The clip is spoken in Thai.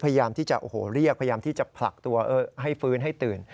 พยายามที่จะโอ้โหเรียกพยายามที่จะผลักตัวให้ฟื้นให้ตื่น